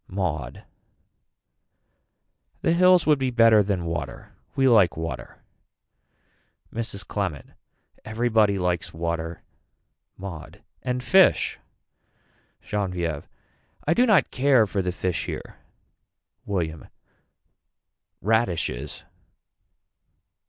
Maud. The hills would be better than water. We like water. Mrs. Clement. Everybody likes water. Maud. And fish. Genevieve. I do not care for the fish here. William. Radishes.